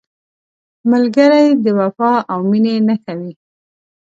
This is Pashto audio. ملګری د وفا او مینې نښه وي